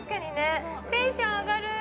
テンション上がる。